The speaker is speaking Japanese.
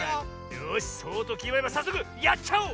よしそうときまればさっそくやっちゃおう！